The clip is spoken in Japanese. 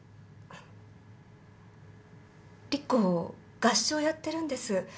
莉子合唱やってるんです。